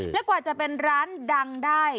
และกว่าจะเป็นร้านดังได้